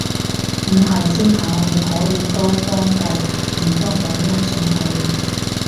唔係先好，你可以多方度全方位欣賞佢